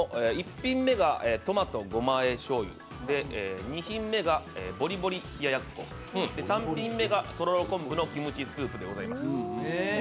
１品目がトマトゴマ和えしょうゆ２品目がぽりぽり冷や奴３品目がとろろ昆布のキムチスープでございます。